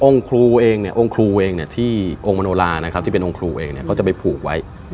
ครูเองเนี่ยองค์ครูเองเนี่ยที่องค์มโนลานะครับที่เป็นองค์ครูเองเนี่ยเขาจะไปผูกไว้